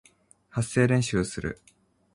発声練習をする